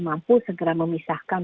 mampu segera memisahkan